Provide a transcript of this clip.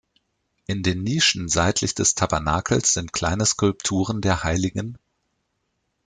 In den Nischen seitlich des Tabernakels sind kleine Skulpturen der hll.